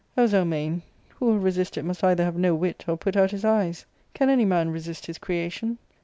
O Zelmane, who will resist it must either have no wit, or put out his yeyes. Can any man resist his creation